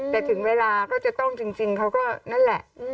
แต่ถึงเวลาก็จะต้องจริงเขาก็นั่นแหละ